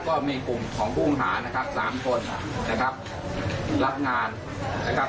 ก็มีกลุ่มของผู้ต้องหานะครับสามคนนะครับรับงานนะครับ